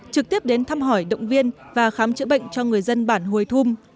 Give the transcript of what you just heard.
trực tiếp đến thăm hỏi động viên và khám chữa bệnh cho người dân bản hồi thum